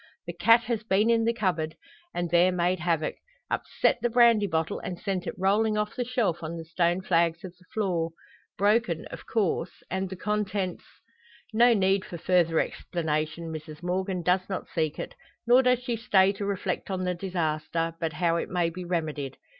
The cat has been in the cupboard, and there made havoc upset the brandy bottle, and sent it rolling off the shelf on the stone flags of the floor! Broken, of course, and the contents No need for further explanation, Mrs Morgan does not seek it. Nor does she stay to reflect on the disaster, but how it may be remedied.